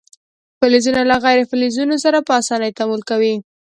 فلزونه له غیر فلزونو سره په اسانۍ تعامل کوي.